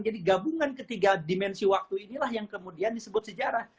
jadi gabungan ketiga dimensi waktu inilah yang kemudian disebut sejarah